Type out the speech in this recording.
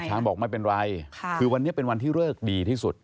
บอกไม่เป็นไรคือวันนี้เป็นวันที่เลิกดีที่สุด